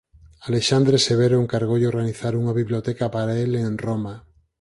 Alexandre Severo encargoulle organizar unha biblioteca para el en Roma.